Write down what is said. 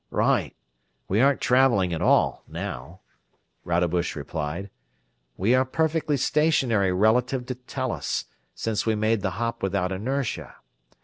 "Right. We aren't traveling at all now." Rodebush replied. "We are perfectly stationary relative to Tellus, since we made the hop without inertia.